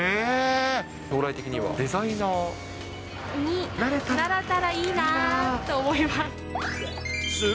将来的にはデザイナー？になれたらいいなと思います。